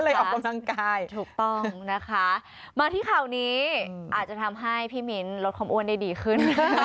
ออกกำลังกายถูกต้องนะคะมาที่ข่าวนี้อาจจะทำให้พี่มิ้นลดความอ้วนได้ดีขึ้น